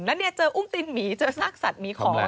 แล้วนี่เจออุ้มตินหมีเจอสัตว์สัตว์มีของ